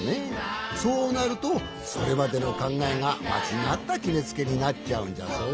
そうなるとそれまでのかんがえがまちがったきめつけになっちゃうんじゃぞ。